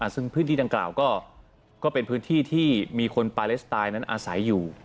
ซึ่งพื้นที่ดังกล่าวก็เป็นพื้นที่ที่มีคนปาเลสไตล์นั้นอาศัยอยู่